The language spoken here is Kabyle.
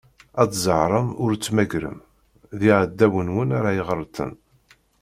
Ad tzerrɛem ur tmeggrem: D iɛdawen-nwen ara iɣelten.